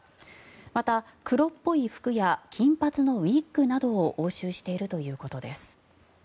また、黒っぽい服や金髪のウィッグなどを押収しているということです。